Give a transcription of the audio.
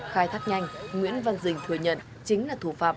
khai thác nhanh nguyễn văn dình thừa nhận chính là thủ phạm